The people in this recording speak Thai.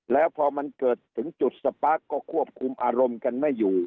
แล้วพอมันเกิดถึงจุดสปาร์คก็ควบคุมอารมณ์กันไม่อยู่